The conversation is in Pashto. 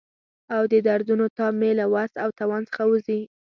او د دردونو تاب مې له وس او توان څخه وځي.